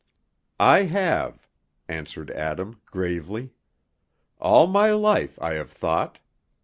"I have," answered Adam, gravely. "All my life I have thought.